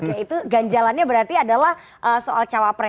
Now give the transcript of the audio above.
oke itu ganjalannya berarti adalah soal cawapres